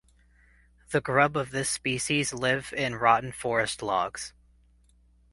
The grub of this species live in rotten forest logs.